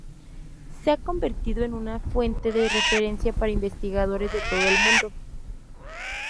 Se ha convertido en una fuente de referencia para investigadores de todo el mundo.